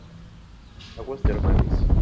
Aguas termales